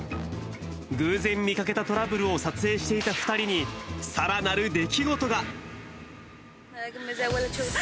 偶然見かけたトラブルを撮影していた２人に、さらなる出来事が。